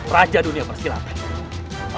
raja dunia persilatan